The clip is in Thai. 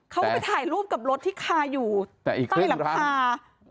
เขาก็ไปถ่ายรูปกับรถที่คาอยู่ใต้หลังคา